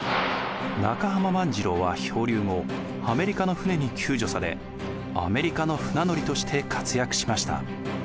中浜万次郎は漂流後アメリカの船に救助されアメリカの船乗りとして活躍しました。